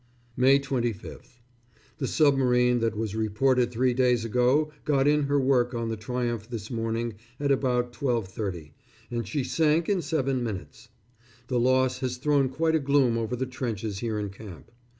May 25th. The submarine that was reported three days ago got in her work on the Triumph this morning at about 12.30, and she sank in seven minutes. The loss has thrown quite a gloom over the trenches here in camp.